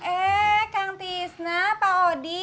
eh kang tisna pak odi